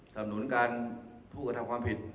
สำหนุนการภูตกฐัมภ์ความผิด